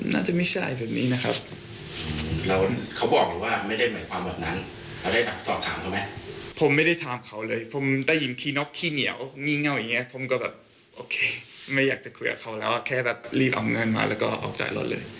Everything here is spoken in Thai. นี่แล้วเรามาเจอเหตุการณ์เหมือนเนี่ยเรารู้สึกยังไง